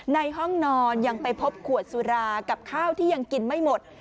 ในห้องนอนยังไปพบขวดสุรากับข้าวที่ยังกินไม่หมด